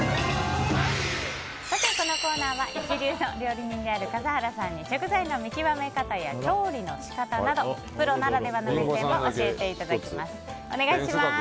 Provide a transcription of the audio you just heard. このコーナーは一流の料理人である笠原さんに食材の見極め方や調理の仕方などプロならではの目線を教えてもらいます。